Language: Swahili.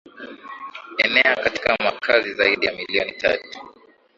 enea katika makazi zaidi ya milioni tatu